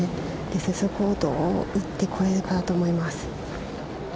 そこをどう打ってこれるかだと思います。